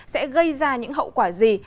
sẽ gây ra những hậu quả gì